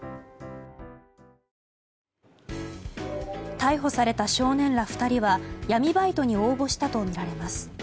逮捕された少年ら２人は闇バイトに応募したとみられます。